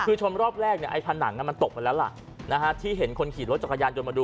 คือชนรอบแรกเนี่ยไอ้ผนังมันตกไปแล้วล่ะที่เห็นคนขี่รถจักรยานยนต์มาดู